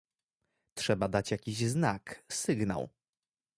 "Trzeba dać jakiś znak, sygnał."